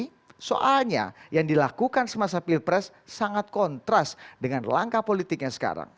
karena sebenarnya yang dilakukan semasa pilpres sangat kontras dengan langkah politiknya sekarang